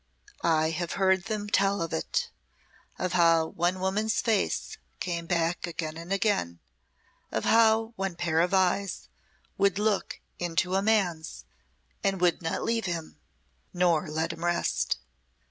"I have heard them tell of it of how one woman's face came back again and again, of how one pair of eyes would look into a man's and would not leave him, nor let him rest.